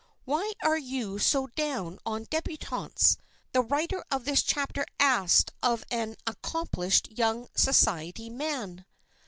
"Why are you so down on débutantes?"—the writer of this chapter asked of an accomplished young society man.